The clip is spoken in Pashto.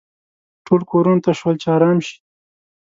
ټول کورونو ته شول چې ارام شي.